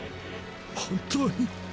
本当に。